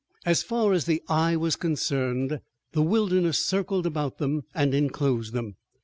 As far as the eye was concerned the wilderness circled about them and enclosed them.